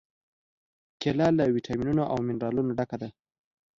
کېله له واټامینونو او منرالونو ډکه ده.